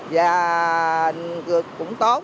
và cũng tốt